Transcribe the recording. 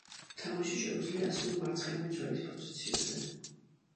თამაში შეუძლია ასევე მარცხენა მცველის პოზიციაზე.